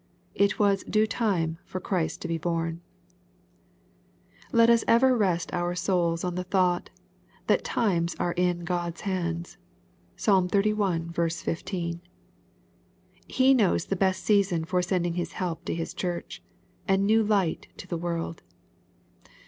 It was " due time" for Christ to be bom. (Eom. v. 6.) Let us ever rest our souls on the thought, that times are in God's hand. (Psalm xxxi. 15.) He knows the best season for sending help to His church, and new light to the world.